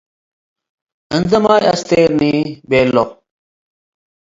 “እንዴ ማይ አስቴኒ” ቤሎ።